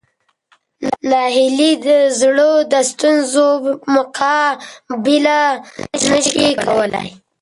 ناهیلي زړه د ستونزو مقابله نه شي کولی.